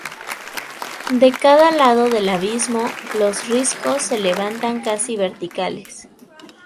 De cada lado del abismo, los riscos se levantan casi verticales.